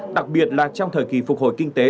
đặc biệt là trong thời kỳ phục hồi kinh tế